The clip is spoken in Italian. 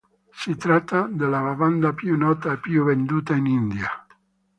Si tratta della bevanda più nota e più venduta in India.